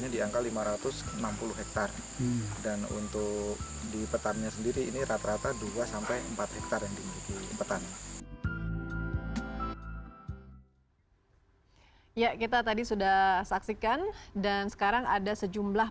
dan sekarang ada sejumlah